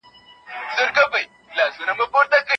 ايډيالوژي د سياست لاره او بڼه روښانه کوي.